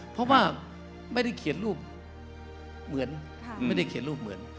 เพราะว่าไม่ได้เขียนรูปเหมือนไม่ได้เขียนรูปเหมือน